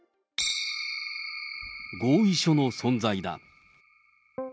合意書の存在だ。